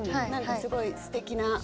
何かすごいすてきな。